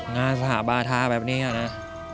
งานสหบาทาแบบนี้อะนะ